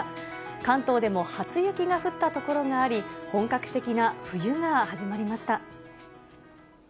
関東でも初雪が降った所があり、本格的な冬が始まりました。